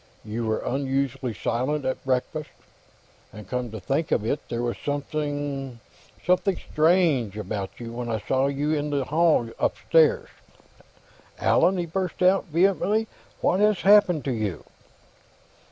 You were unusually silent at breakfast. And come to think of it, there was something ... something strange ... about you when I saw you in the hall, upstairs.... Allan!" he burst out, vehemently. "What has happened to you?"